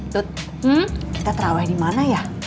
tut kita taraweeh di mana ya